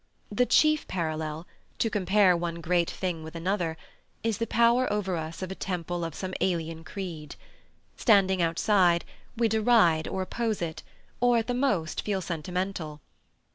The chief parallel to compare one great thing with another—is the power over us of a temple of some alien creed. Standing outside, we deride or oppose it, or at the most feel sentimental.